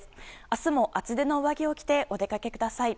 明日も、厚手の上着を着てお出かけください。